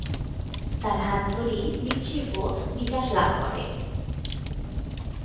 তার হাত ধরেই মৃৎশিল্প বিকাশ লাভ করে।